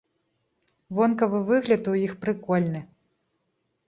Вонкавы выгляд у іх прыкольны!